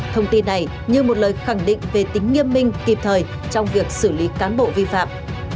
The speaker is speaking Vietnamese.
thông tin này như một lời khẳng định về tính nghiêm minh kịp thời trong việc xử lý cán bộ vi phạm